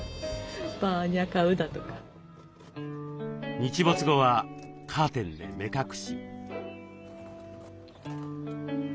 日没後はカーテンで目隠し。